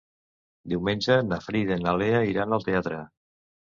Diumenge na Frida i na Lea iran al teatre.